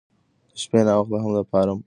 د شپې ناوخته هم د فارم ډکول اسانه دي.